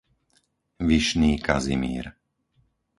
Vyšný Kazimír